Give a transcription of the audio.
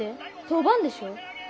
当番でしょ。